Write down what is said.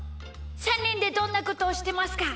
３にんでどんなことをしてますか？